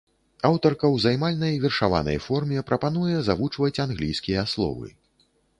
Аўтарка ў займальнай вершаванай форме прапануе завучваць англійскія словы.